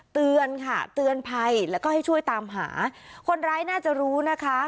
เตือนค่ะเตือนภัยแล้วก็ให้ช่วยตามหาคนร้ายน่าจะรู้นะคะ